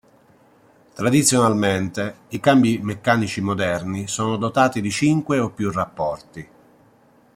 Tradizionalmente i cambi meccanici moderni sono dotati di cinque o più rapporti.